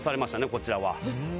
こちらは。